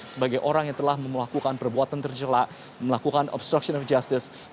sebagai orang yang telah melakukan perbuatan tercelak melakukan obstruction of justice